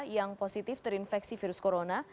yang positif terinfeksi virus corona